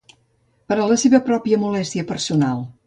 Per a la seva pròpia molèstia personal.